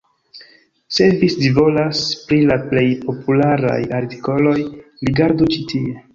Se vi scivolas pri la plej popularaj artikoloj, rigardu ĉi tie.